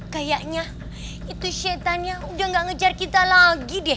kayaknya itu syetannya udah gak ngejar kita lagi deh